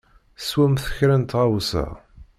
Swemt kra n tɣawsa.